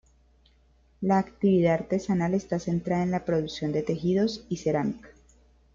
La actividad artesanal está centrada en la producción de tejidos y cerámica.